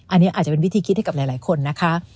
อันนี้อาจจะเป็นวิธีคิดให้กับหลายคนนะคะ